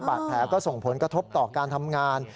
บาดแผลก็ส่งผลกระทบต่อการทำงาน